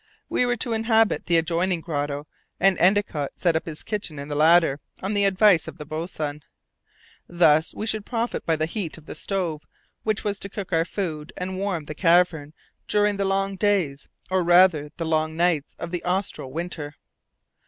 We were to inhabit the adjoining grotto, and Endicott set up his kitchen in the latter, on the advice of the boatswain. Thus we should profit by the heat of the stove, which was to cook our food and warm the cavern during the long days, or rather the long nights of the austral winter.